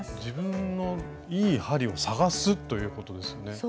自分のいい針を探すということですね。